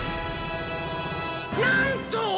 なんと！？